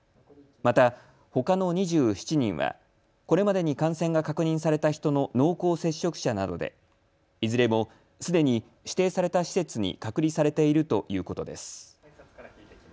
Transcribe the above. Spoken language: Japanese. また、ほかの２７人はこれまでに感染が確認された人の濃厚接触者などでいずれもすでに指定された施設に隔離されているということです。